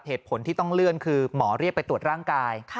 เหตุผลที่ต้องเลื่อนคือหมอเรียกไปตรวจร่างกาย